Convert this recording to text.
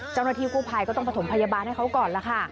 เจ้าหน้าที่กู้ภัยก็ต้องประถมพยาบาลให้เขาก่อนล่ะค่ะ